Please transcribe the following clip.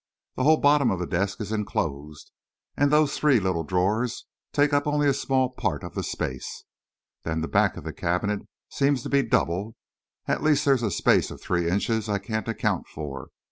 The whole bottom of the desk is inclosed, and those three little drawers take up only a small part of the space. Then the back of the cabinet seems to be double at least, there's a space of three inches I can't account for.